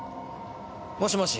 もしもし。